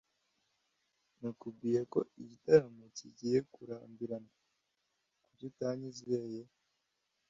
Nakubwiye ko igitaramo kigiye kurambirana. Kuki utanyizeye?